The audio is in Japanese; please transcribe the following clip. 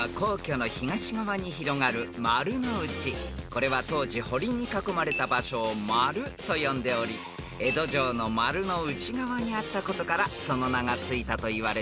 ［これは当時堀に囲まれた場所を「丸」と呼んでおり江戸城の「丸」の内側にあったことからその名が付いたといわれています］